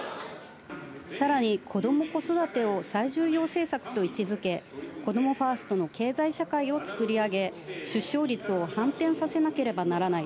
さらにこども・子育てを最重要政策と位置づけ、こどもファーストの経済社会を作り上げ、出生率を反転させなければならない。